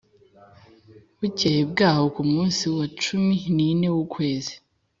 Bukeye bwaho ku munsi wa cumi n ine w ukwezi